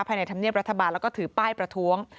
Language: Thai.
ภายในธรรมเนียบรัฐบาลแล้วก็ถือป้ายประท้วง